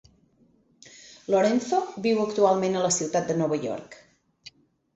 Lorenzo viu actualment a la ciutat de Nova York.